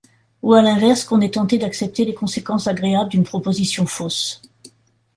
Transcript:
Ou à l'inverse qu'on est tenté d'accepter les conséquences agréables d'une proposition fausse.